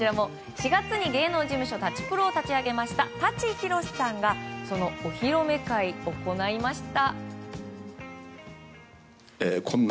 ４月に芸能事務所舘プロを立ち上げました舘ひろしさんがそのお披露目会を行いました。